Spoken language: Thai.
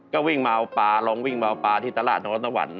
ก็วิ่งมาเอาปลาลองวิ่งมาเอาปลาที่ตลาดน้องตะวัน